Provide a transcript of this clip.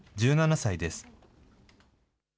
１７歳です。